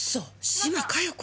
島加代子！？